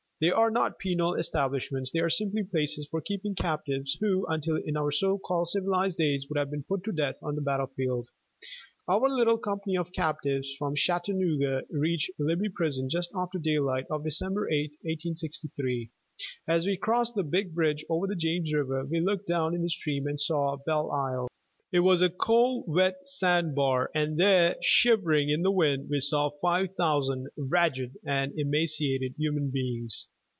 They are not penal establishments; they are simply places for keeping captives who, until in our so called civilized days, would have been put to death on the battlefield. Our little company of captives from Chattanooga reached Libby Prison just after daylight of December 8, 1863. As we crossed the big bridge over the James River we looked down into the stream and saw "Belle Isle." It was a cold wet sandbar, and there, shivering in the wind, we saw five thousand ragged and emaciated human beings.